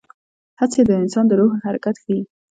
هڅې د انسان د روح حرکت ښيي.